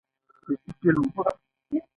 د خنجان هوا یخه ده